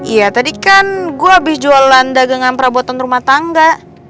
iya tadi kan gue habis jualan dagangan perabotan rumah tangga